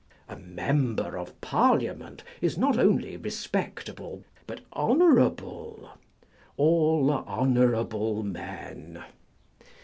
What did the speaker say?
A Member of Parliament is not only respectable, but honourable ; â€" " all honourable men